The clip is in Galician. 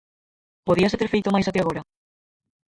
Podíase ter feito máis até agora?